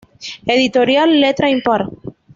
Editorial Letra Impar.